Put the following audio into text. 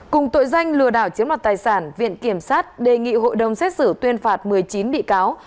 cùng tội danh lừa đảo chiếm đoạt tài sản viện kiểm sát đề nghị hội đồng xét xử tuyên phạt một mươi chín bị cáo